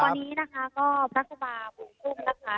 ตอนนี้นะคะก็พระครูบาบุญชุ่มนะคะ